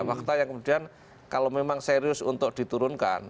fakta yang kemudian kalau memang serius untuk diturunkan